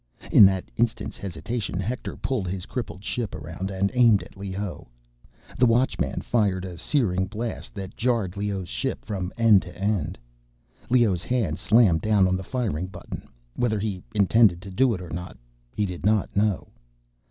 In that instant's hesitation, Hector pulled his crippled ship around and aimed at Leoh. The Watchman fired a searing blast that jarred Leoh's ship from end to end. Leoh's hand slammed down on the firing button, whether he intended to do it or not, he did not know.